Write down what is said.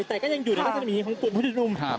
แต่ก็ยังอยู่ในรัศมีของกลุ่มผู้ชมนุม